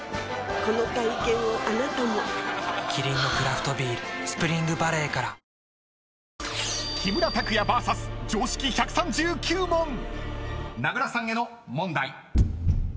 この体験をあなたもキリンのクラフトビール「スプリングバレー」から［名倉さんへの問題］